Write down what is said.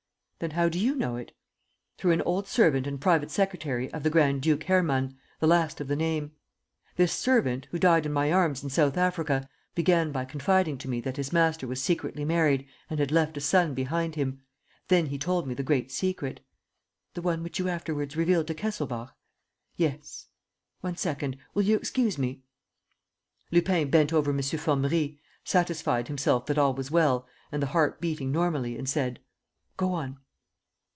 "Then how do you know it?" "Through an old servant and private secretary of the Grand duke Hermann, the last of the name. This servant, who died in my arms in South Africa, began by confiding to me that his master was secretly married and had left a son behind him. Then he told me the great secret." "The one which you afterwards revealed to Kesselbach." "Yes." "One second ... Will you excuse me? ..." Lupin bent over M. Formerie, satisfied himself that all was well and the heart beating normally, and said: "Go on."